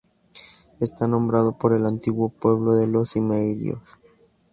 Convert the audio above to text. Está nombrado por el antiguo pueblo de los cimerios.